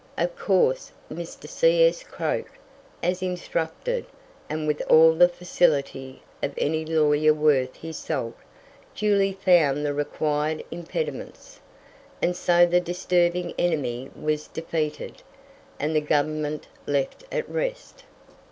Of course, Mr. C.S. Croke, as instructed, and with all the facility of any lawyer worth his salt, duly found the required impediments; and so the disturbing enemy was defeated, and the Government left at rest.